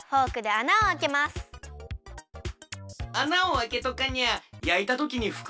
あなをあけとかにゃやいたときにふくらみすぎてしまうんよね。